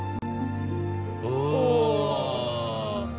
おお！